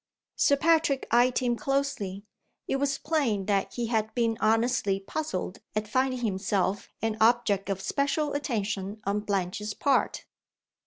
Sir Patrick eyed him closely. It was plain that he had been honestly puzzled at finding himself an object of special attention on Blanche's part.